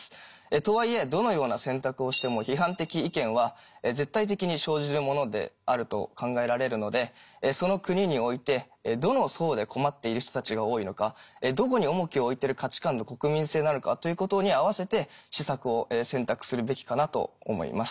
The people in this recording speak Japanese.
とはいえどのような選択をしても批判的意見は絶対的に生じるものであると考えられるのでその国においてどの層で困っている人たちが多いのかどこに重きを置いてる価値観の国民性なのかということに合わせて施策を選択するべきかなと思います。